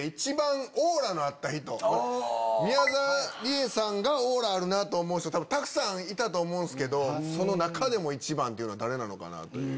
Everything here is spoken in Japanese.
宮沢りえさんがオーラあるなと思う人多分たくさんいたと思うんすけどその中でも一番は誰なのかなという。